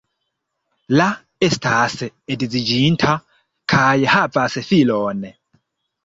La estas edziĝinta kaj havas filon.